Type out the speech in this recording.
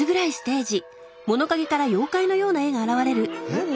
何？